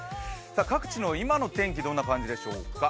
各地の今の天気どんな感じでしょうか？